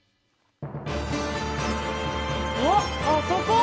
あっあそこ！